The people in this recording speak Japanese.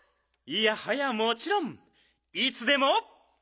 いやはやもちろん！いつでも。